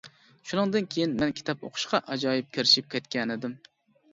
-شۇنىڭدىن كېيىن مەن كىتاب ئوقۇشقا ئاجايىپ كىرىشىپ كەتكەنىدىم.